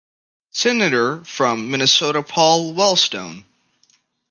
Senator from Minnesota Paul Wellstone.